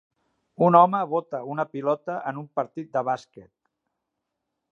Un home bota una pilota en un partit de bàsquet.